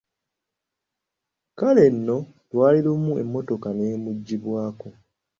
Kale nno lwali lumu emmotoka neemuggibwako.